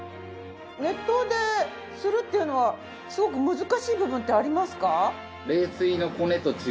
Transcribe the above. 熱湯でするっていうのはすごく難しい部分ってありますか？